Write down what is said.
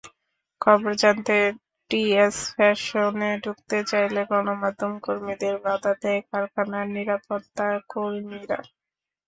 খবর জানতে টিএস ফ্যাশনে ঢুকতে চাইলে গণমাধ্যমের কর্মীদের বাধা দেন কারখানার নিরাপত্তাকর্মীরা।